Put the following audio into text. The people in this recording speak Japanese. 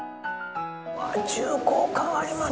わあ重厚感ありますね。